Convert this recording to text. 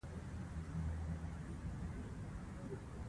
سندرې د اعصابو ځواک زیاتوي.